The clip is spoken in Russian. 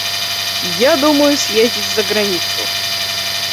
Я думаю съездить за границу.